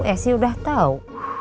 esy udah tau